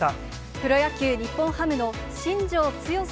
プロ野球・日本ハムの新庄剛志